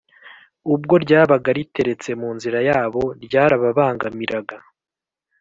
ubwo ryabaga riteretse mu nzira yabo ryarababangamiraga